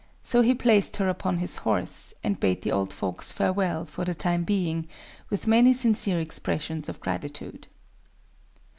So he placed her upon his horse, and bade the old folks farewell for the time being, with many sincere expressions of gratitude.